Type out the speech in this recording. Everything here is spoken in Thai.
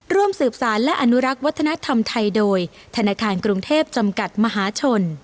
ร่วมสืบสารและอนุรักษ์วัฒนธรรมไทยโดยธนาคารกรุงเทพจำกัดมหาชน